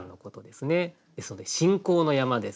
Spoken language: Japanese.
ですので信仰の山です。